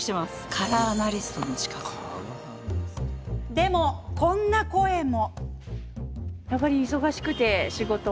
でも、こんな声も。